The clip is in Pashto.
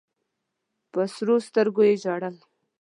په سرو سترګو یې ژړل.